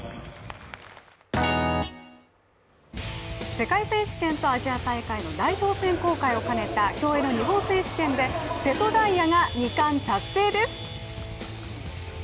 世界選手権とアジア大会の代表選考会を兼ねた競泳の日本選手権で瀬戸大也が２冠達成です。